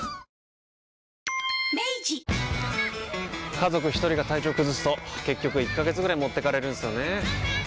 家族一人が体調崩すと結局１ヶ月ぐらい持ってかれるんすよねー。